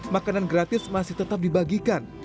makanan gratis masih tetap dibagikan